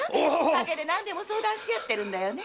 陰で何でも相談し合ってるんだよね。